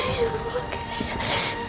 ya allah kecia